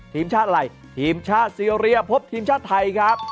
ทีมชาติอะไรทีมชาติซีเรียพบทีมชาติไทยครับ